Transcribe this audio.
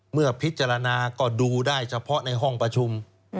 เมื่อพิจารณาก็ดูได้เฉพาะในห้องประชุม